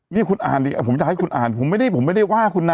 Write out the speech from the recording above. นี่คุณอ่านดิผมอยากให้คุณอ่านผมไม่ได้ว่าคุณนะ